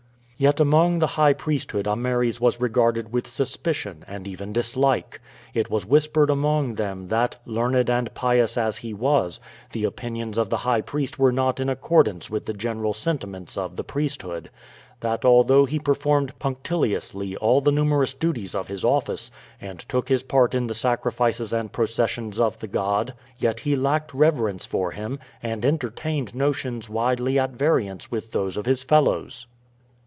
Yet among the high priesthood Ameres was regarded with suspicion, and even dislike. It was whispered among them that, learned and pious as he was, the opinions of the high priest were not in accordance with the general sentiments of the priesthood; that although he performed punctiliously all the numerous duties of his office, and took his part in the sacrifices and processions of the god, he yet lacked reverence for him, and entertained notions widely at variance with those of his fellows.